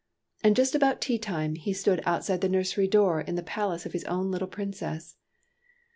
And just about tea time he stood out side the nursery door in the palace of his own little Princess.